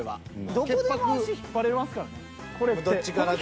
どこでも足引っ張れますからねこれって。